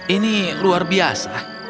ini luar biasa